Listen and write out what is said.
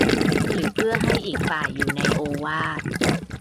หรือเพื่อให้อีกฝ่ายอยู่ในโอวาท